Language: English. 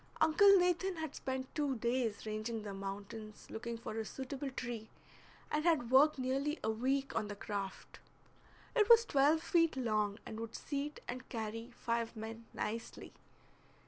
Uncle Nathan had spent two days ranging the mountains looking for a suitable tree, and had worked nearly a week on the craft. It was twelve feet long, and would seat and carry five men nicely.